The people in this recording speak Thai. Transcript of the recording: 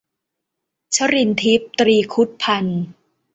ชรินทร์ทิพย์ ตรีครุธพันธุ์